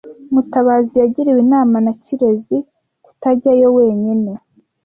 Mutabazi yagiriwe inama na Kirezi kutajyayo wenyine.